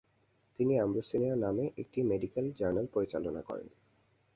তিনি ‘আমব্রোসিয়া’ নামে একটি মেডিকেল জার্নাল পরিচালনা করেন।